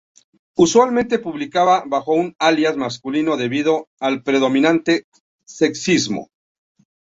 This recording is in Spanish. Usualmente publicaba bajo un alias masculino debido al predominante sexismo.